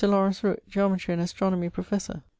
Laurence Rooke_, Geometry and Astronomy professor.